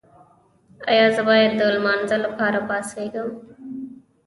ایا زه باید د لمانځه لپاره پاڅیږم؟